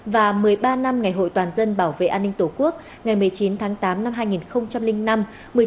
và một mươi ba năm ngày hội toàn dân bảo vệ an ninh tổ quốc ngày một mươi chín tháng tám năm hai nghìn năm một mươi chín tháng tám năm hai nghìn một mươi tám